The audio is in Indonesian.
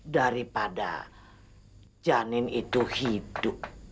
daripada janin itu hidup